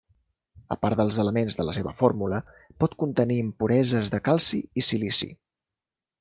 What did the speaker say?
A part dels elements de la seva fórmula, pot contenir impureses de calci i silici.